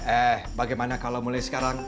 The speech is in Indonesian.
eh bagaimana kalau mulai sekarang